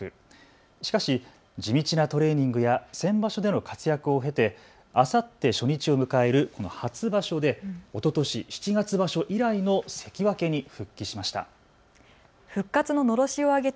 しかし地道なトレーニングや先場所での活躍を経てあさって初日を迎える初場所でおととし７月場所以来の関脇に復帰しました。